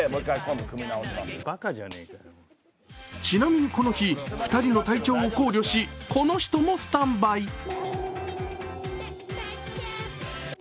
ちなみにこの日、２人の体調を考慮し、この人もスタンバイ。